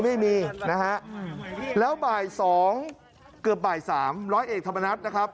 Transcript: แล้วบ่าย๒เกือบบ่าย๓ร้อยเอกธรรมนัด